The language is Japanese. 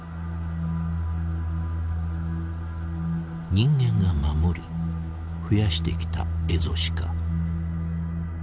人間が守り増やしてきたエゾシカ。